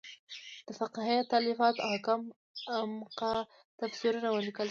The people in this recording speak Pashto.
د فقهې تالیفات او کم عمقه تفسیرونه ولیکل شول.